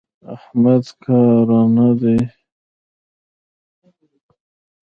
احمد کاره نه دی.